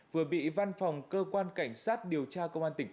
vừa bị văn phòng cơ quan cảnh sát điều tra công an tỉnh vĩnh phúc